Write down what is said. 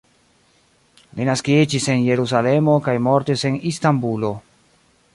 Li naskiĝis en Jerusalemo kaj mortis en Istanbulo.